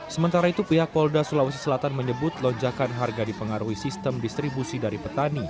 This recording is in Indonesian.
sementara itu pihak polda sulawesi selatan menyebut lonjakan harga dipengaruhi sistem distribusi dari petani